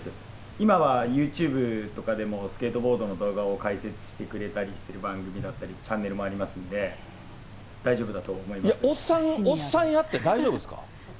今はユーチューブとかでも、スケートボードとかの動画を解説してくれたりする番組だったり、チャンネルもありますんで、おっさんやって大丈夫ですか？